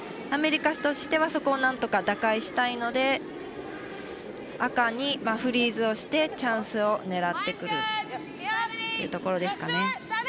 アメリカとしてはそこを、なんとか打開したいので赤にフリーズをしてチャンスを狙ってくるというところですかね。